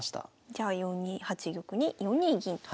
じゃあ４八玉に４二銀と。